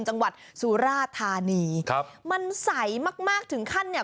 จังหวัดสุราธานีครับมันใสมากมากถึงขั้นเนี่ย